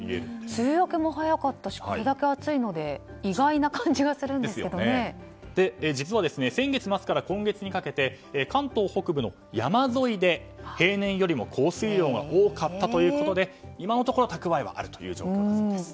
梅雨明けも早かったしこれだけ暑いので実は、先月末から今月にかけて関東北部の山沿いで、平年より降水量が多かったということで今のところ蓄えはあるという状況です。